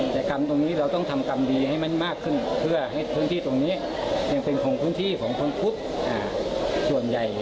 แต่กรรมตรงนี้เราต้องทำกรรมดีให้มันมากขึ้นเพื่อให้พื้นที่ตรงนี้ยังเป็นของพื้นที่ของพังพุทธส่วนใหญ่